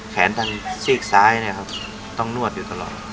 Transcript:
แขนทางสิ้งซ้ายต้องนวดอยู่ตลอด